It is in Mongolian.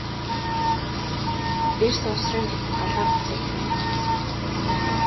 Эр суусрын зүрх Галаар буцалж байна.